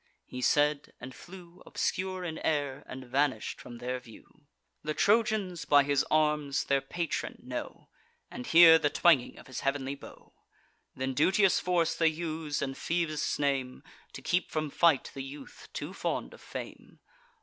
He said, and flew Obscure in air, and vanish'd from their view. The Trojans, by his arms, their patron know, And hear the twanging of his heav'nly bow. Then duteous force they use, and Phoebus' name, To keep from fight the youth too fond of fame.